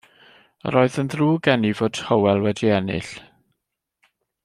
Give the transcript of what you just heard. Yr oedd yn ddrwg gennyf fod Hywel wedi ennill.